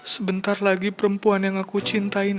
sebentar lagi perempuan yang aku cintai